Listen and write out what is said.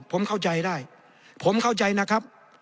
ผมเข้าใจได้ผมเข้าใจนะครับ